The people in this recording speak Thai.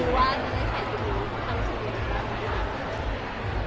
ขอบคุณครับตั้งแต่ต้นปี